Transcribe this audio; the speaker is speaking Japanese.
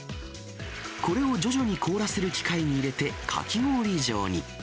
これを徐々に凍らせる機械に入れてかき氷状に。